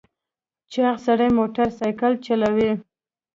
چاغ سړی موټر سایکل چلوي .